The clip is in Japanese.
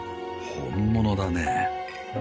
本物だね。